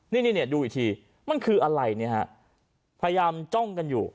นี่ดูอีกทีมันคืออะไรเนี่ยฮะพยายามจ้องกันอยู่